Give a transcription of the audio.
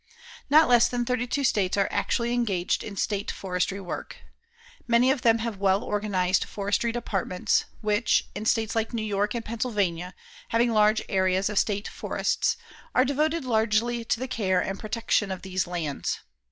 Not less than thirty two states are actually engaged in state forestry work. Many of them have well organized forestry departments, which, in states like New York and Pennsylvania, having large areas of state forests, are devoted largely to the care and protection of these lands.